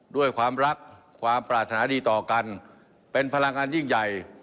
ด้วยความรักความปรารถนาดีต่อกันเป็นพลังงานยิ่งใหญ่